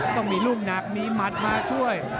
ต้องมีลูกหนักมีหมัดมาช่วย